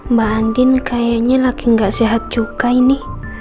mbak andin kayaknya laki gak sehat juga ini